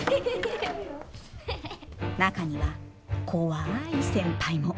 中には怖い先輩も。